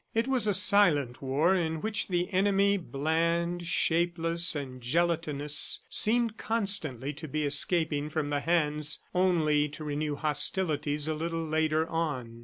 It was a silent war in which the enemy, bland, shapeless and gelatinous, seemed constantly to be escaping from the hands only to renew hostilities a little later on.